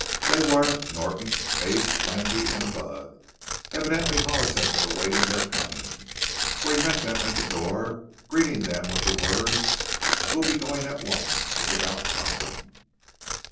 They were Norton, Ace, Lanky, and Bud. Evidently Hollis had been awaiting their coming, for he met them at the door, greeting them with the words: "We'll be going at once; it's about time."